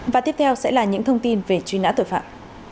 và tiếp theo sẽ là những thông tin về truy nã tội phạm